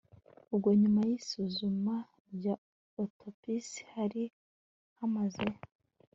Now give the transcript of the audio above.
ubwo nyuma yisuzuma rya autopsy hari hamaze